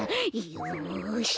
よし。